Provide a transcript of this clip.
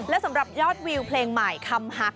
และสำหรับยอดวิวเพลงใหม่คำฮัก